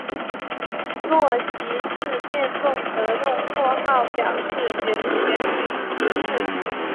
若席次变动则用括号表示原选举席次。